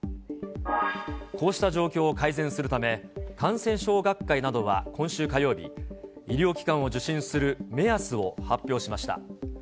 こうした状況を改善するため、感染症学会などは今週火曜日、医療機関を受診する目安を発表しました。